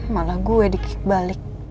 malah gue dikik balik